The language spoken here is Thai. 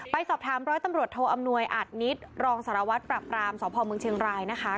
ไปสอบถามร้อยตำรวจโทอำนวยอาจนิตรองสารวัตรปรับรามสพเมืองเชียงรายนะคะ